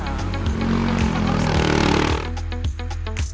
aduh kaldu sweet parah sih